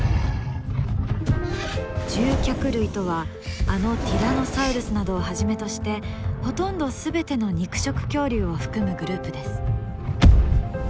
獣脚類とはあのティラノサウルスなどをはじめとしてほとんど全ての肉食恐竜を含むグループです。